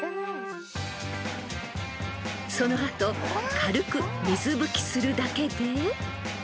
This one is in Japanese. ［その後軽く水拭きするだけで］